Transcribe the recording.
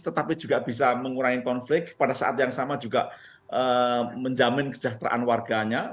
tetapi juga bisa mengurangi konflik pada saat yang sama juga menjamin kesejahteraan warganya